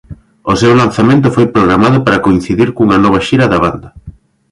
O seu lanzamento foi programado para coincidir cunha nova xira da banda.